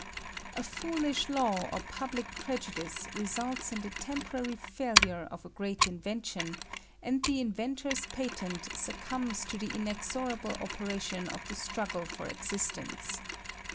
A foolish law or public prejudice results in the temporary failure of a great invention, and the inventor's patent succumbs to the inexorable operation of the struggle for existence.